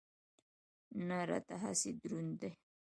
نه راته هسې دروند دی.